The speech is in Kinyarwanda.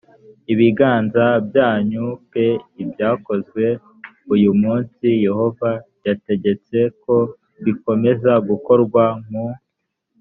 biganza byanyu p ibyakozwe uyu munsi yehova yategetse ko bikomeza gukorwa mu